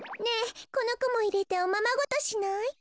ねえこのこもいれておままごとしない？